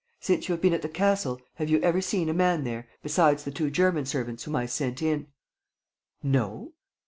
Since you have been at the castle, have you ever seen a man there, besides the two German servants whom I sent in?" "No."